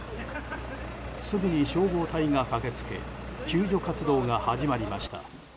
すぐに消防隊が駆け付け救助活動が始まりました。